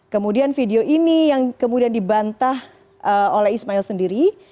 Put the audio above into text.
kemudian video ini yang kemudian dibantah oleh ismail sendiri